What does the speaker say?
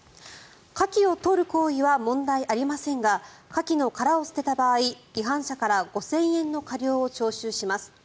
カキを取る行為は問題ありませんがカキの殻を捨てた場合違反者から５０００円の過料を徴収します。